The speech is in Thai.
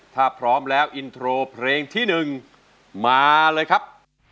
ถ้าพร้อมแล้วอินโทรเพลงที่๑มาเลยครับ